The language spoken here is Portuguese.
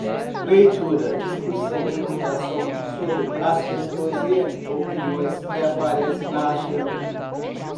Leitura, discussão e votação sobre as questões e opiniões que aparecem na agenda.